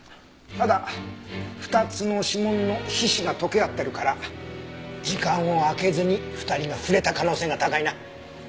ただ２つの指紋の皮脂が溶け合ってるから時間を空けずに２人が触れた可能性が高いな。